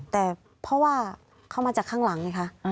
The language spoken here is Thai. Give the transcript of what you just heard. แต่เพราะว่าเขามาจากข้างหลังไงคะ